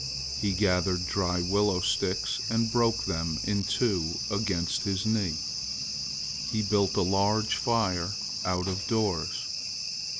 He gathered dry willow sticks and broke them in two against his knee. He built a large fire out of doors.